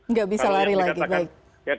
nggak bisa lari lagi baik